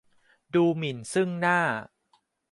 ดูหมิ่นซึ่งหน้า